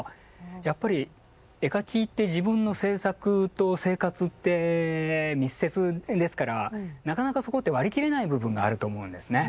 やっぱり絵描きって自分の制作と生活って密接ですからなかなかそこって割り切れない部分があると思うんですね。